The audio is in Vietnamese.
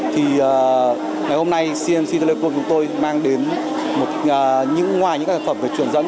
thì ngày hôm nay cmc telecom chúng tôi mang đến ngoài những hệ phẩm về truyền dẫn